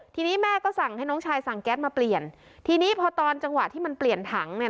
ทีนี้แม่ก็สั่งให้น้องชายสั่งแก๊สมาเปลี่ยนทีนี้พอตอนจังหวะที่มันเปลี่ยนถังเนี่ย